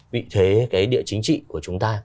vị thế địa chính trị của chúng ta